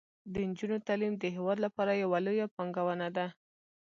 د نجونو تعلیم د هیواد لپاره یوه لویه پانګونه ده.